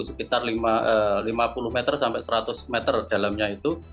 sekitar lima puluh meter sampai seratus meter dalamnya itu